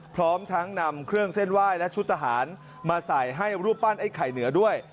พร้อมทั้งนำเครื่องเส้นไหว้และชุดทหารมาใส่ให้รูปปั้นไอ้ไข่เหนือด้วย